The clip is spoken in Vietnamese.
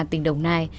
tỉnh đồng nai